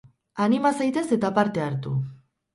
Anima zaitez eta parte hartu!